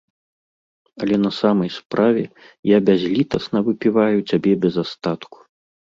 Але на самай справе, я бязлітасна выпіваю цябе без астатку.